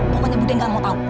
pokoknya budhe gak mau tau